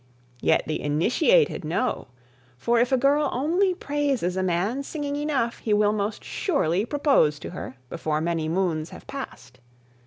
Yet the initiated know, for if a girl only praises a man's singing enough, he will most surely propose to her before many moons have passed.